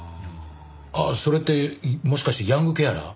ああそれってもしかしてヤングケアラー？